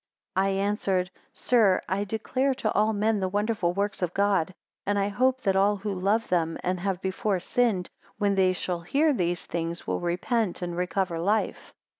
11 I answered; Sir, I declare to all men the wonderful works of God; and I hope that all who love them, and have before sinned, when they shall hear these things, will repent, and recover life.